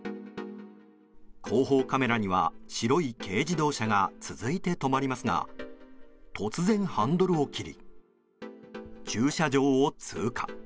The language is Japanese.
後方カメラには白い軽自動車が続いて止まりますが突然、ハンドルを切り駐車場を通過。